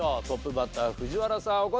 トップバッター藤原さん